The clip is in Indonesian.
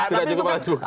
tidak cukup alat bukti